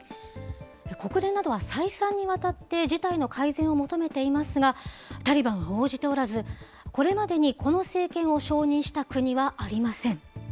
国連などは再三にわたって事態の改善を求めていますが、タリバンは応じておらず、これまでにこの政権を承認した国はありません。